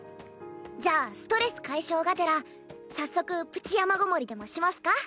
じゃあストレス解消がてら早速プチ山ごもりでもしますか？